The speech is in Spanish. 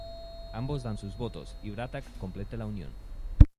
Ambos dan sus votos y Bra’tac completa la unión.